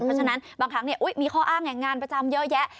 เพราะฉะนั้นบางครั้งมีข้ออ้างแห่งงานประจำเยอะแยะ